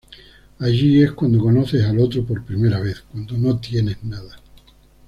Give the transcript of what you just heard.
Allí es cuando conoces al otro por primera vez, cuando no tienes nada.